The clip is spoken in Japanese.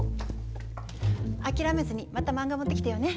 諦めずにまた漫画持ってきてよね。